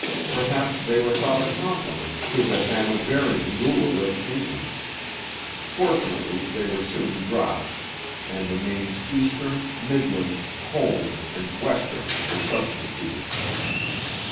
Perhaps they were thought a compliment to the Hanoverian ruler of England. Fortunately they were soon dropped, and the names Eastern, Midland, Home, and Western were substituted.